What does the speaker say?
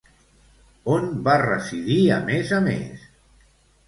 On va residir a més a més?